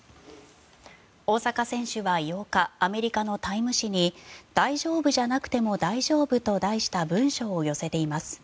大坂選手は８日アメリカの「タイム」誌に「大丈夫じゃなくても大丈夫」と題した文書を寄せています。